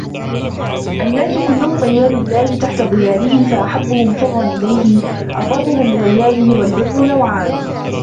النَّاسُ كُلُّهُمْ عِيَالُ اللَّهِ تَحْتَ ظِلَالِهِ فَأَحَبُّهُمْ طُرًّا إلَيْهِ أَبَرُّهُمْ لِعِيَالِهِ وَالْبِرُّ نَوْعَانِ